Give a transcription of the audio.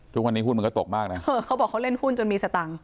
ทุกวันนี้หุ้นมันก็ตกมากนะเออเขาบอกเขาเล่นหุ้นจนมีสตังค์